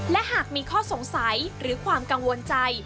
และหากมีข้อสงสัยหรือความกังวลใจ